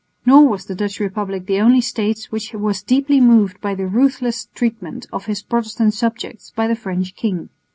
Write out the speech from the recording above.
Nor was the Dutch Republic the only State which was deeply moved by the ruthless treatment of his Protestant subjects by the French king.